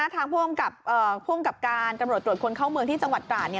ทางภูมิกับเอ่อภูมิกับการกำลังตรวจคนเข้าเมืองที่จังหวัดกราชเนี้ย